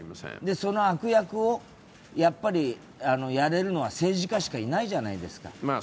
その悪役をやれるのは政治家しかいないじゃないですか。